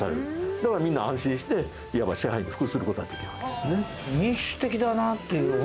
だからみんな安心していわば支配に服する事ができるわけですね。